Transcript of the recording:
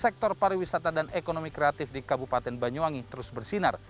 sektor pariwisata dan ekonomi kreatif di kabupaten banyuwangi terus bersinar